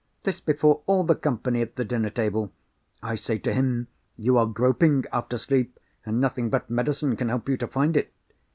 This before all the company at the dinner table. I say to him, you are groping after sleep, and nothing but medicine can help you to find it.